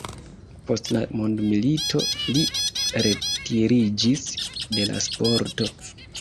Post la mondomilito li retiriĝis de la sporto.